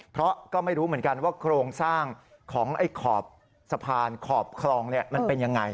เพราะก็ไม่รู้เหมือนกันว่าโครงสร้างของไอ้ขอบสะพานขอบคลองมันเป็นยังไง